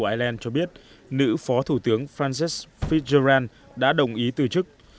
của ai lê cho biết nữ phó thủ tướng francis fitzgerald đã đồng ý từ chức